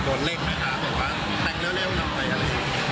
โดนเร่งนะคะแต่งเรื่องมันเอาไปอะไร